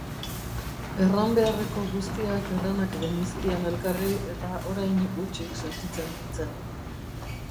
Erran beharreko guztiak erranak genizkion elkarri eta orain hutsik sentitzen nintzen.